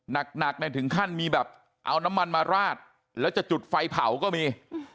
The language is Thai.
หนักเนี่ยถึงขั้นมีแบบเอาน้ำมันมาราดแล้วจะจุดไฟเผาก็มี